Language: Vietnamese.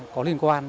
có liên quan